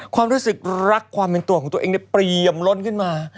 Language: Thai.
ความรู้สึกรักความเป็นตัวของตัวเองเนี่ยเปรียมล้นขึ้นมา